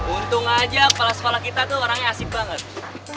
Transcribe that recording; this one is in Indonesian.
untung aja kepala sekolah kita tuh orangnya asik banget